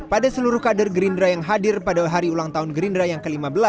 pada seluruh kader gerindra yang hadir pada hari ulang tahun gerindra yang ke lima belas